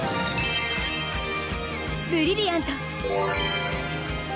ブリリアント！